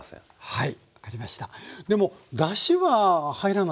はい。